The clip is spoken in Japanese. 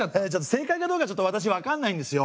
正解かどうか私わかんないんですよ。